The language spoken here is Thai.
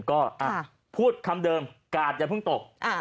ก็พูดคำเดิมกาดอย่าเพิ่งตก